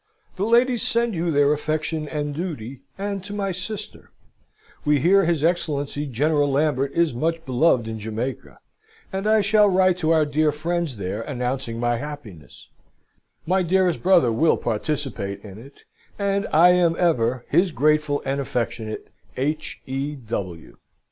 "The ladies send you their affection and duty, and to my sister. We hear his Excellency General Lambert is much beloved in Jamaica: and I shall write to our dear friends there announcing my happiness. My dearest brother will participate in it, and I am ever his grateful and affectionate H. E.